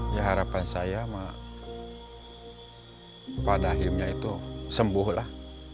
ya harapan saya pak dahimnya itu sembuh lah